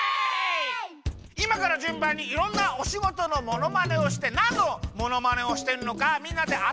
いまからじゅんばんにいろんなおしごとのものまねをしてなんのものまねをしてるのかみんなであてっこするゲームです。